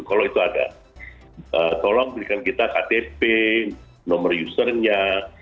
tolong memberikan kita ktp nomor usernya